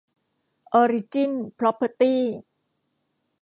ออริจิ้น พร็อพเพอร์ตี้